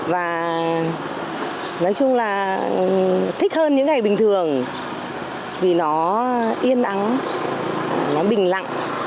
và nói chung là thích hơn những ngày bình thường vì nó yên nắng nó bình lặng